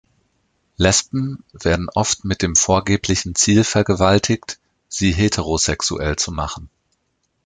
Lesben werden oft mit dem vorgeblichen Ziel vergewaltigt, sie heterosexuell zu machen.